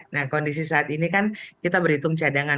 nah kondisi saat ini kan kita berhitung cadangan